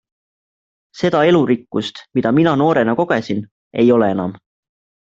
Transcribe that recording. Seda elurikkust, mida mina noorena kogesin, ei ole enam.